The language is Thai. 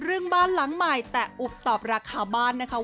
เรื่องบ้านหลังใหม่แต่อุบตอบราคาบ้านนะคะ